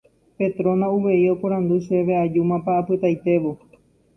Petrona uvei oporandu chéve ajúmapa apytaitévo